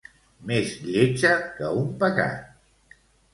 Més lletja que un pecat